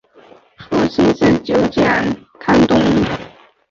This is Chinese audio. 父亲是酒井康忠。